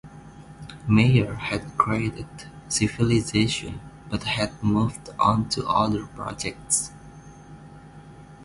Meier had created "Civilization" but had moved on to other projects.